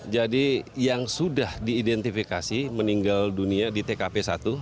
jadi yang sudah diidentifikasi meninggal dunia di tkp satu